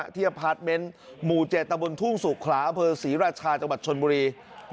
ที่ปาร์ทเมนต์หมู่๗ตะวนทุ่งสุขลาอศรีราชาจชลบุรี